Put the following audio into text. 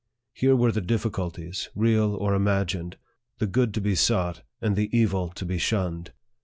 Here were the difficulties, real or im agined the good to be sought, and the evil to be shunned.